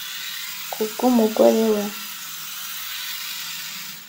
ku bwu mugore we